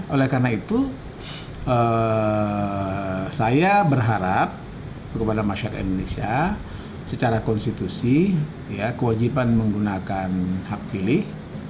oleh karena itu saya berharap kepada masyarakat indonesia secara konstitusi kewajiban menggunakan hak pilih